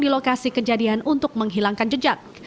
di lokasi kejadian untuk menghilangkan jejak